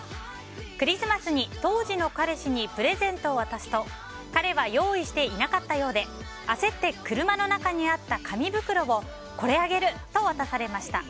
クリスマスに当時の彼氏にプレゼントを渡すと彼は用意していなかったようで焦って、車の中にあった紙袋をこれ、あげると渡されました。